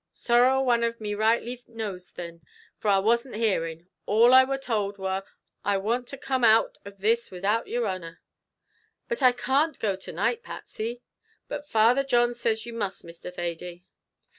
"Sorrow a one av me rightly knows thin, for I wasn't hearing; all I wor told wor, I warn't to come out of this widout yer honer." "But I can't go to night, Patsy." "But Father John says you must, Mr. Thady."